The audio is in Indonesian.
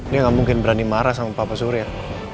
dia gak mungkin berani marah sama papa surir